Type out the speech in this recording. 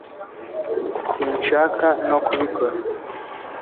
sinshaka no kubikora